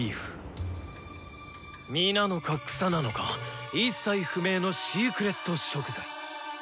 実なのか草なのか一切不明のシークレット食材。